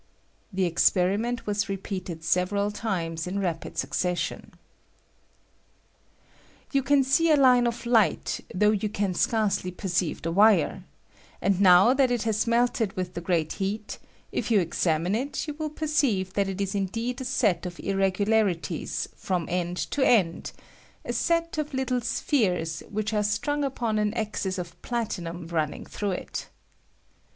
[The experiment was repeated Beveral times in w ^ VOLTAIC IGNITION OF WIRE. rapid successioE J You can see a line of light, ^^^ though you can scarcely perceive the wire ; ^^^b and Qow that it has melted with the great heat, ^^B if yon examine it you will perceive that it is ^^^ft indeed a set of irregularities fh>m end to end ^^^K — a set of little spheres, which are strung upon ^^^K an axis of platinum running through it.